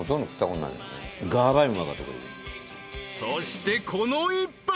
［そしてこの一杯］